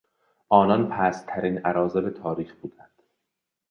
آنان پستترین اراذل تاریخ بودند.